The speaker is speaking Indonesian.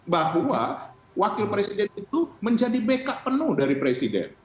bahwa wakil presiden itu menjadi beka penuh dari presiden